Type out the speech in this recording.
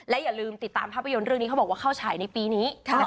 อย่าลืมติดตามภาพยนตร์เรื่องนี้เขาบอกว่าเข้าฉายในปีนี้